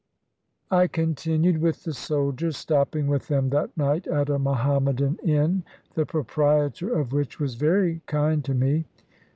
I continued with the soldiers, stopping with them that night at a Mohammedan inn, the proprietor of which was very kind to me.